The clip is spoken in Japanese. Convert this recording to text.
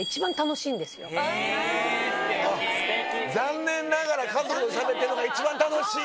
残念ながら家族としゃべってるのが一番楽しいって。